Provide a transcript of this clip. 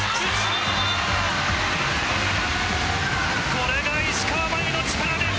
これが石川真佑の力です。